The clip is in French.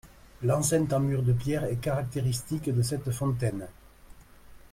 L'enceinte en murs de pierre est caractéristique de cette fontaine.